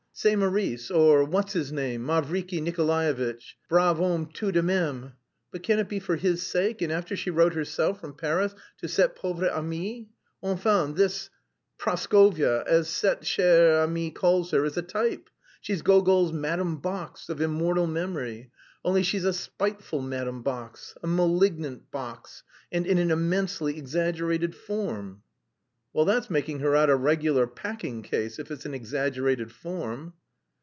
Ce Maurice, or what's his name, Mavriky Nikolaevitch, brave homme tout de même... but can it be for his sake, and after she wrote herself from Paris to cette pauvre amie?... Enfin, this Praskovya, as cette chère amie calls her, is a type. She's Gogol's Madame Box, of immortal memory, only she's a spiteful Madame Box, a malignant Box, and in an immensely exaggerated form." "That's making her out a regular packing case if it's an exaggerated form."